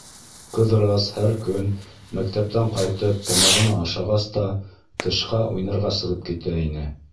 Ҡыҙырас һәр көн, мәктәптән ҡайтып тамағына ашағас та, тышҡа уйнарға сығып китә ине.